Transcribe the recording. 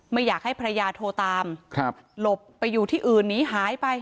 ไม่อยากให้ภรรยาโทรตามหลบไปอยู่ที่อื่นหนีหายไป